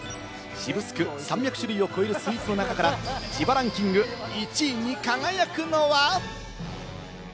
渋スク、３００種類を超えるスイーツの中から自腹ンキング、１位に輝くのは？